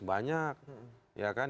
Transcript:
terus penembakan misterius